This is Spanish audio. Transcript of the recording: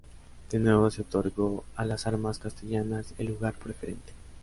De nuevo se otorgó a las armas castellanas el lugar preferente.